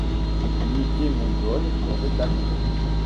L’unité mongole est rétablie.